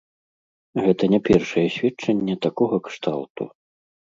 Гэта не першае сведчанне такога кшталту.